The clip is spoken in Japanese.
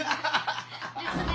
ですね。